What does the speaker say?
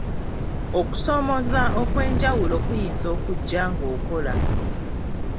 Okusoomooza okwenjawulo kuyinza okujja ng'okola.